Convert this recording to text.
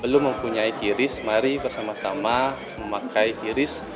belum mempunyai kiris mari bersama sama memakai kiris